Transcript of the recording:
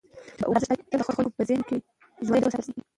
د اوبو ارزښت باید تل د خلکو په ذهن کي ژوندی وساتل سي.